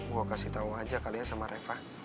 gue kasih tau aja kali ya sama reva